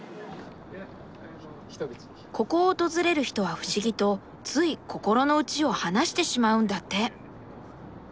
ここを訪れる人は不思議とつい心の内を話してしまうんだって。